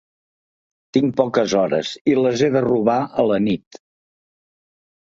Tinc poques hores i les he de robar a la nit.